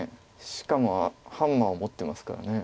しかもハンマーを持ってますから。